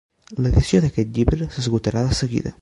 L'edició d'aquest llibre s'esgotarà de seguida.